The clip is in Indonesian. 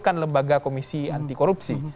yang membatalkan revisi undang undang kpk